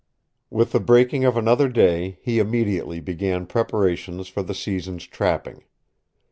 With the breaking of another day he immediately began preparations for the season's trapping.